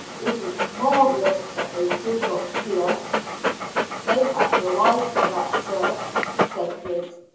"It is marvellous that they did not see us." "They had no eyes for that, sir," said Griggs.